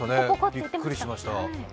びっくりしました。